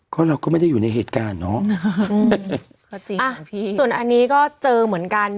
ก็เราก็ไม่ได้อยู่ในเหตุการณ์เนอะก็จริงอ่ะพี่ส่วนอันนี้ก็เจอเหมือนกัน